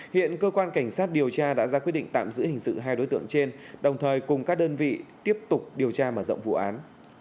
hiện cơ quan cảnh sát điều tra đã ra quyết định tạm giữ hình sự hai đối tượng trên đồng thời cùng các đơn vị tiếp tục điều tra mở rộng vụ án